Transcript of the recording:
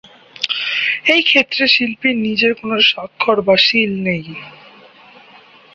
এই ক্ষেত্রে শিল্পীর নিজের কোন স্বাক্ষর বা সীল নেই।